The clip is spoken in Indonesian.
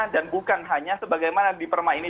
dan bukan hanya sebagaimana di perma ini